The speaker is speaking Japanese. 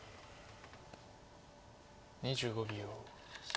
２５秒。